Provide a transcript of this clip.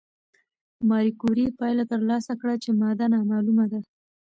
ماري کوري پایله ترلاسه کړه چې ماده نامعلومه ده.